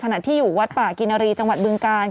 ขณะที่อยู่วัดป่ากินรีจังหวัดบึงกาล